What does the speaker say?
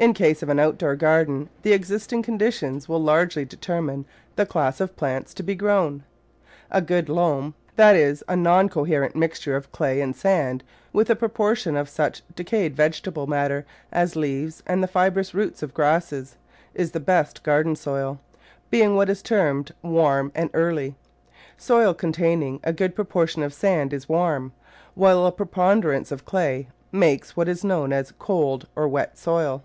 In case of an outdoor garden the existing conditions will largely determine the class of plants to be grown. A good loam — that is a non coherent mixt ure of clay and sand with a proportion of such de cayed vegetable matter as leaves and the fibrous roots of grasses — is the best garden soil, being what is termed warm and early. Soil containing a good pro portion of sand is warm, while a preponderance of clay makes what is known as cold or wet soil.